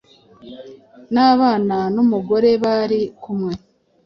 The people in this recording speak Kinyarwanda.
n'abana n'umugore bari kumwe